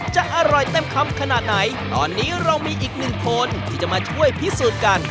จะอร่อยเต็มคำขนาดไหนตอนนี้เรามีอีกหนึ่งคนที่จะมาช่วยพิสูจน์กัน